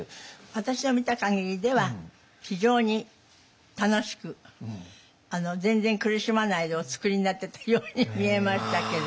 私が見た限りでは非常に楽しく全然苦しまないでお作りになってたように見えましたけど。